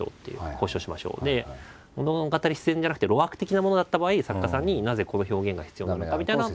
物語上必然じゃなくて露悪的なものだった場合作家さんになぜこの表現が必要なのかみたいな。